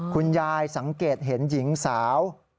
คุณยายสังเกตเห็นหญิงสาว